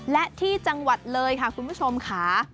และที่จังหวัดเลยค่ะคุณผู้ชมค่ะ